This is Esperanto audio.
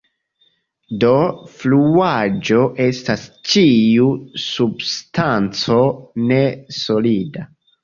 Do fluaĵo estas ĉiu substanco ne-solida.